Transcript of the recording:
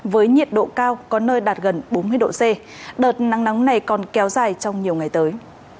với nhiệt độ cao có nơi đạt gần bốn mươi độ c đợt nắng nóng này còn kéo dài trong nhiều ngày tới